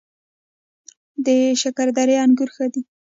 د شکردرې انګور ښه دي